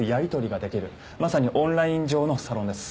まさにオンライン上のサロンです。